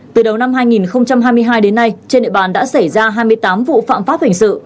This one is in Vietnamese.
từ đầu năm hai nghìn hai mươi hai đến nay trên địa bàn đã xảy ra hai mươi tám vụ phạm pháp hình sự